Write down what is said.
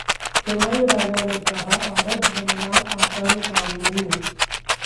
जमाई राजा ने कहा औरत बनना आसान काम नहीं